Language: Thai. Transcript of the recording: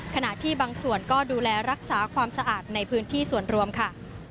ขณะที่บางส่วนก็ดูแลรักษาความสะอาดในพื้นที่ส่วนรวมค่ะ